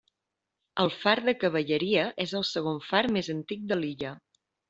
El far de Cavalleria és el segon far més antic de l'illa.